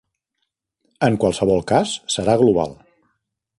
En qualsevol cas, serà global.